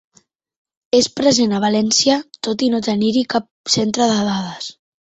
És present a València tot i no tenir-hi cap centre de dades.